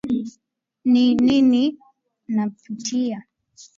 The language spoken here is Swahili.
Ni Nini napitia